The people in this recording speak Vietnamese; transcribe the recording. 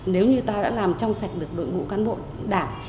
nếu như ta đã làm trong sạch được đội ngũ cán bộ đảng